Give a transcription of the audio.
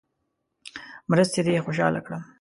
مرستې دې خوشاله کړم.